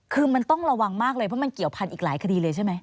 คือมันต้องระวังมากเลยเพราะมันเกี่ยวพันธุ์อีกหลายคดีเลยใช่ไหม